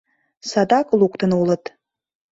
Садак луктын улыт...